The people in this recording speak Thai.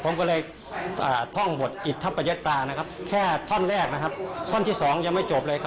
ผมก็เลยท่องบทอิทธัพประยะตาแค่ท่อนแรกท่อนที่สองยังไม่จบเลย